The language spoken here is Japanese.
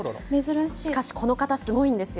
しかしこの方、すごいんですよ。